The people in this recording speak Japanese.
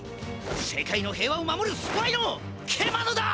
世界の平和を守るスパイのケマヌだ！